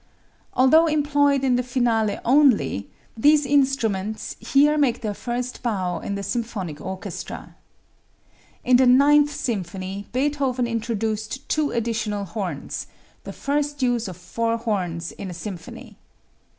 Although employed in the finale only, these instruments here make their first bow in the symphonic orchestra. In the Ninth Symphony Beethoven introduced two additional horns, the first use of four horns in a symphony.